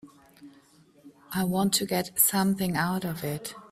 I want to get something out of it.